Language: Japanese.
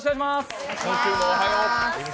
今週もおはよう！